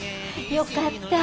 よかったぁ。